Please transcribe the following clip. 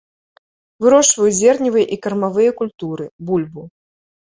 Вырошчваюць зерневыя і кармавыя культуры, бульбу.